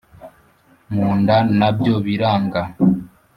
mu nda na byo biranga ,